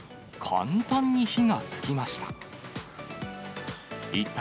簡単に火がつきました。